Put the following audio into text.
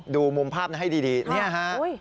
ดูมุมภาพนั้นให้ดีนี่ฮะ